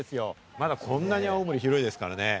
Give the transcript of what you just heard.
まだこんなに青森広いですからね。